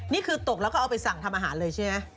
นี่คือตกแล้วก็เอาไปสั่งทำอาหารเลยใช่ไหม